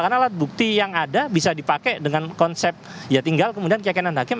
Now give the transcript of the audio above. karena alat bukti yang ada bisa dipakai dengan konsep ya tinggal kemudian keyakinan hakim